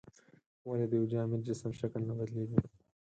ولې د یو جامد جسم شکل نه بدلیږي؟